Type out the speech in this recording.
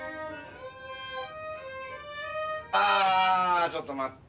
ああちょっと待って。